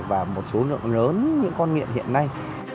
và một số lượng lớn những con nghiện hiện nay